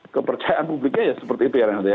kepercayaan publiknya ya seperti itu ya